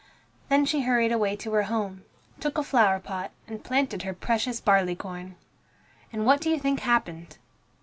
Then she hurried away to her home, took a flower pot and planted her precious barley corn. And what do you think happened?